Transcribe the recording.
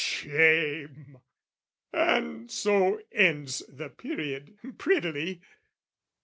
Shame! and so ends the period prettily.